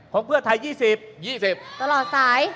ของเพื่อไทย๒๐